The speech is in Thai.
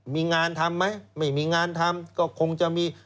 มีงานทำไหมไม่มีงานทำก็คงจะมี